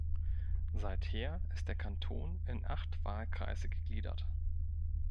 Seither ist der Kanton in acht Wahlkreise gegliedert.